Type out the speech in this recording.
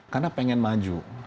karena pengen maju